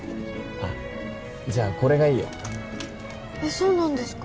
あっじゃあこれがいいよえっそうなんですか？